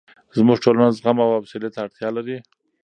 زموږ ټولنه زغم او حوصلې ته اړتیا لري.